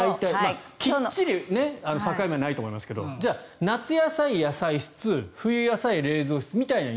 きっちり、境目はないと思いますけどじゃあ、夏野菜、野菜室冬野菜、冷蔵室みたいな。